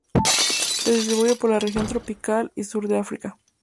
Se distribuye por la región tropical y sur de África.